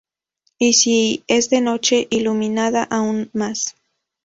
Y si es de noche, iluminada, aún más.